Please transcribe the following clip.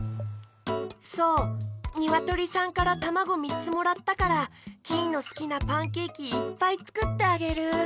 そうにわとりさんからたまごみっつもらったからキイのすきなパンケーキいっぱいつくってあげる。